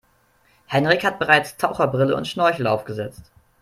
Henrik hat bereits Taucherbrille und Schnorchel aufgesetzt.